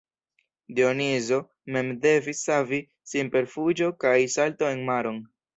Dionizo mem devis savi sin per fuĝo kaj salto en maron.